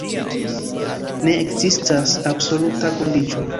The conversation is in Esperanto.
Ne ekzistas absoluta kondiĉo.